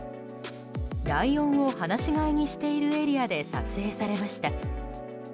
ライオンを放し飼いにしているエリアで撮影されました。